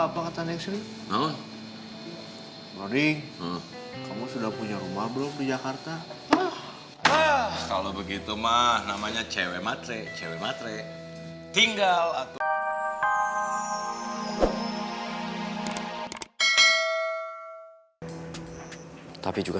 aduh nadine bisa dalam bahaya nih kalau gue gak lakuin apa yang alex minta